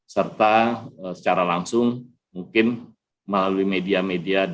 serta secara langsung mungkin melalui media media